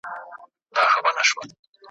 په قدم قدم روان پر لور د دام سو `